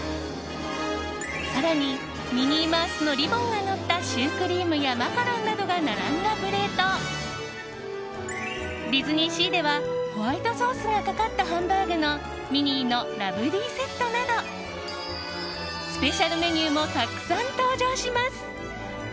更にミニーマウスのリボンがのったシュークリームやマカロンなどが並んだプレートディズニーシーではホワイトソースがかかったハンバーグのミニーのラブリーセットなどスペシャルメニューもたくさん登場します。